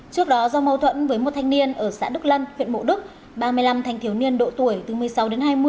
trước đó do mâu thuẫn với một thanh niên ở xã đức lân huyện mộ đức ba mươi năm thanh thiếu niên độ tuổi từ một mươi sáu đến hai mươi